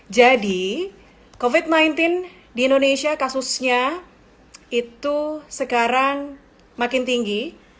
jadi covid sembilan belas di indonesia kasusnya itu sekarang makin tinggi